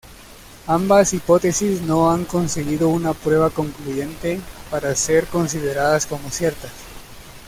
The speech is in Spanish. Ambas hipótesis no han conseguido una prueba concluyente para ser consideradas como ciertas.